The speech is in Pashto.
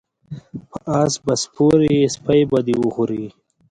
په اس به سپور یی سپی به دی وخوري